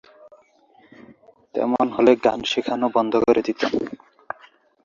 তেমন হলে, গান শেখানো বন্ধ করে দিতেন।